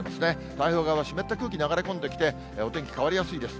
太平洋側は湿った空気が流れ込んできて、お天気変わりやすいです。